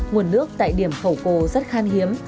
nguồn nước tại điểm khẩu cô rất khan hiếm